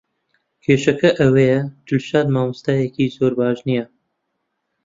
کێشەکە ئەوەیە دڵشاد مامۆستایەکی زۆر باش نییە.